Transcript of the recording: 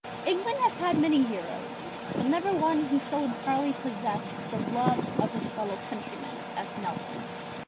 England has had many heroes, but never one who so entirely possessed the love of his fellow countrymen as Nelson.